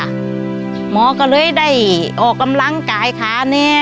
หมอก็เลยได้ออกกำลังกายขาแน่